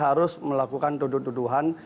harus melakukan tuduh tuduhan